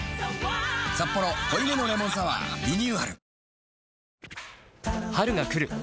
「サッポロ濃いめのレモンサワー」リニューアル